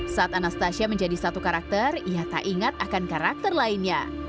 saat anastasia menjadi satu karakter ia tak ingat akan karakter lainnya